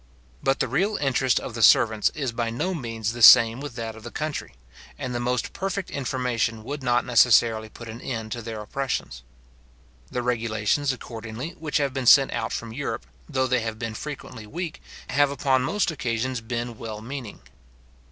But the real interest of the servants is by no means the same with that of the country, and the most perfect information would not necessarily put an end to their oppressions. The regulations, accordingly, which have been sent out from Europe, though they have been frequently weak, have upon most occasions been well meaning.